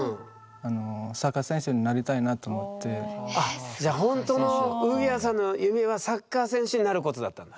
あっじゃあほんとのウギアさんの夢はサッカー選手になることだったんだ。